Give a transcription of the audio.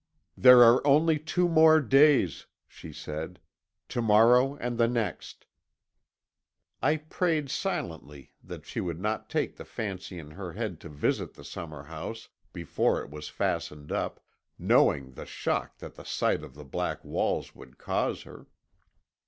"'There are only two more days,' she said, 'to morrow and the next.' "I prayed silently that she would not take the fancy in her head to visit the summer house before it was fastened up, knowing the shock that the sight of the black walls would cause her.